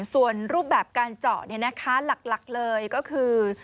ส่วนรูปแบบการเจาะหลักเลยก็คือ